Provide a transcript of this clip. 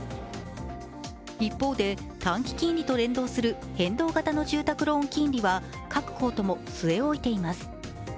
一方で、短期金利と連動する変動型の住宅ローン金利は各行とも据え置いています。